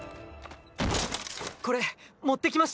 これ持って来ました！